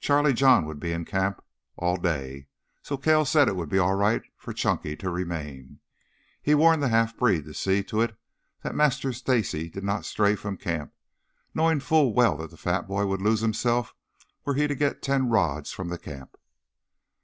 Charlie John would be in the camp all day, so Cale said it would be all right for Chunky to remain. He warned the half breed to see to it that Master Stacy did not stray from camp, knowing full well that the fat boy would lose himself were he to get ten rods from the camp.